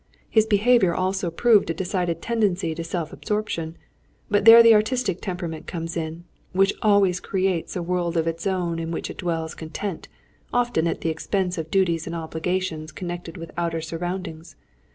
His behaviour also proved a decided tendency to self absorption; but there the artistic temperament comes in, which always creates a world of its own in which it dwells content, often at the expense of duties and obligations connected with outer surroundings.